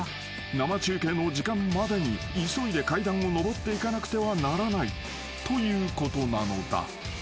生中継の時間までに急いで階段を上っていかなくてはならないということなのだ］